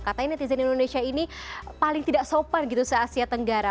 katanya netizen indonesia ini paling tidak sopan gitu se asia tenggara